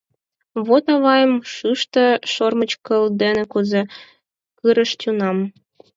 Вот авайым шӱштӧ шӧрмычкыл дене кузе кырыш тунам?!